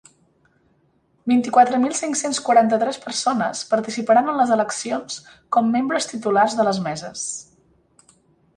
Vint-i-quatre mil cinc-cents quaranta-tres persones participaran en les eleccions com membres titulars de les meses.